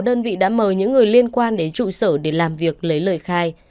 đơn vị đã mời những người liên quan đến trụ sở để làm việc lấy lời khai